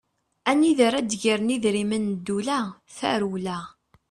Anida ara d-gren idrimen n ddewla, tarewla!